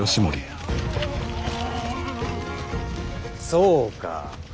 そうか。